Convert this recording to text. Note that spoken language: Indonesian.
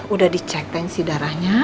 udah dicek tensi darahnya